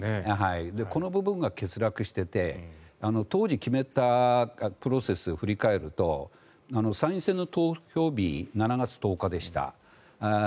この部分が欠落していて当時決めたプロセスを振り返ると参院選の投票日が７月１０日でした。